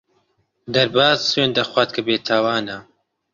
دەرباز سوێند دەخوات کە بێتاوانە.